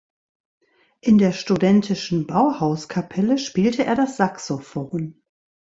In der studentischen Bauhaus-Kapelle spielte er das Saxophon.